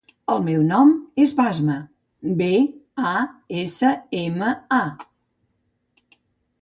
El meu nom és Basma: be, a, essa, ema, a.